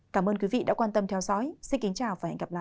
cảm ơn quý vị đã quan tâm theo dõi xin kính chào và hẹn gặp lại